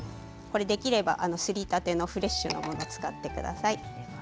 できれば、すりたてのフレッシュなものを使ってください。